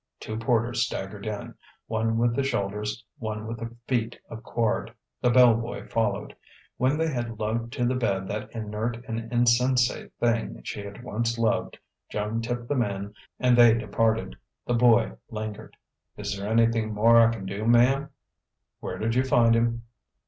Two porters staggered in, one with the shoulders, one with the feet of Quard. The bell boy followed. When they had lugged to the bed that inert and insensate thing she had once loved, Joan tipped the men and they departed. The boy lingered. "Is there anything more I can do, ma'm?" "Where did you find him?"